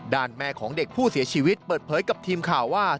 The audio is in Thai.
แม่ของเด็กผู้เสียชีวิตเปิดเผยกับทีมข่าวว่า